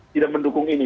tidak mendukung ini